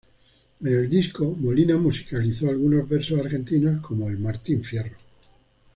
En el disco, Molina musicalizó algunos versos argentinos como el Martín Fierro.